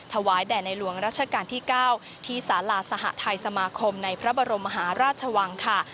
ถวายแด่ในหลวงรัชกาลที่๙ที่สาราสหทัยสมาคมในพระบรมมหาราชวังค่ะ